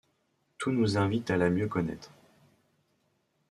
Tout nous invite à la mieux connaître.